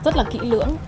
rất là kỹ lưỡng